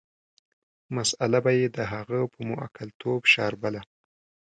مساله به یې د هغه په موکلتوب شاربله.